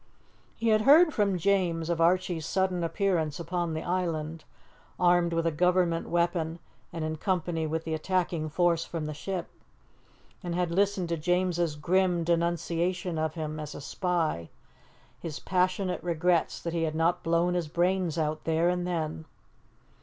He had heard from James of Archie's sudden appearance upon the island, armed with a Government weapon and in company with the attacking force from the ship, and had listened to James's grim denunciation of him as a spy, his passionate regrets that he had not blown his brains out there and then.